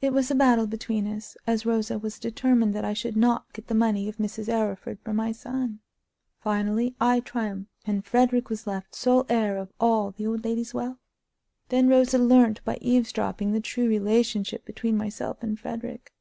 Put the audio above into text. It was a battle between us, as Rosa was determined that I should not get the money of Mrs. Arryford for my son. Finally I triumphed, and Frederick was left sole heir of all the old lady's wealth. Then Rosa learnt, by eavesdropping, the true relationship between myself and Frederick.